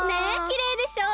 きれいでしょ？